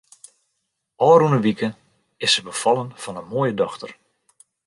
Ofrûne wike is se befallen fan in moaie dochter.